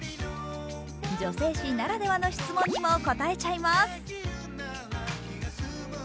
女性誌ならではの質問にも答えちゃいます。